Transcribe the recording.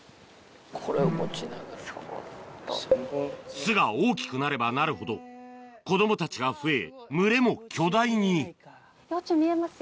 巣が大きくなればなるほど子供たちが増え群れも巨大に幼虫見えますよ。